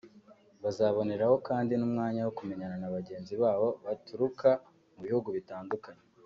Bazaboneraho kandi n’umwanya wo kumenyana na bagenzi babo baturuka mu bihugu bitandukanye